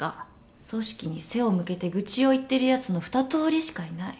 組織に背を向けて愚痴を言ってるやつの二通りしかいない。